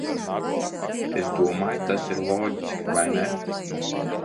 Es domāju, tas ir loģiski, vai ne?